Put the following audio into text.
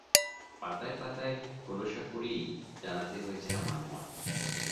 পাতায় পাতায় খোলসা করেই জানাতে হয়েছে আমার মত।